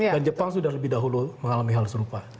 dan jepang sudah lebih dahulu mengalami hal serupa